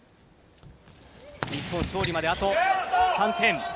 日本勝利まであと３点。